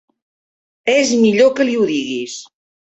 És millor que li ho diguis.